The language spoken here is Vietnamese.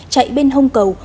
chạy bên hông cầu